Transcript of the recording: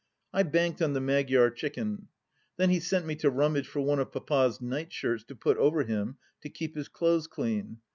I banked on the Magyar Chicken. Then he sent me to rummage for one of Papa's nightshirts to put over him to keep his clothes clean.